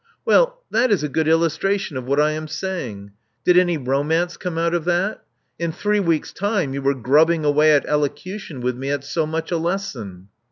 Well, that is a good illustration of what I am saying. Did any romance come out of that? In three weeks, time you were grubbing away at elocution with me at so much a lesson."